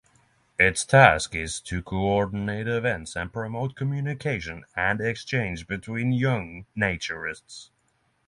Its task is to coordinate events and promote communication and exchange between young naturists.